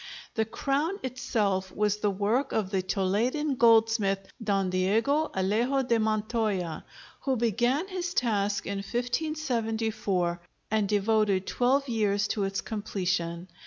The crown itself was the work of the Toledan goldsmith, Don Diego Alejo de Montoya, who began his task in 1574 and devoted twelve years to its completion.